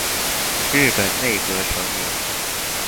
日本內閣成員